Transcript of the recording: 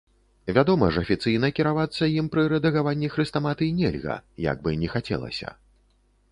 Вядома ж, афіцыйна кіравацца ім пры рэдагаванні хрэстаматый нельга, як бы ні хацелася.